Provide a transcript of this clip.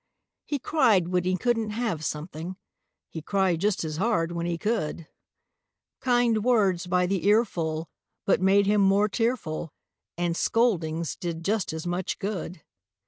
He cried when he couldn't have something; He cried just as hard when he could; Kind words by the earful but made him more tearful, And scoldings did just as much good.